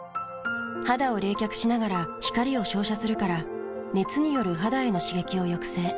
肌を冷却しながら光を照射するから熱による肌への刺激を抑制。